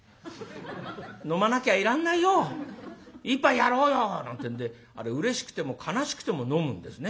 飲まなきゃいらんないよ。一杯やろうよ」なんてえんであれうれしくても悲しくても飲むんですね。